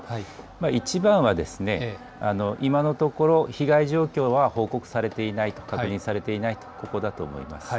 一番は、今のところ、被害状況は報告されていないと、確認されていないと、ここだと思います。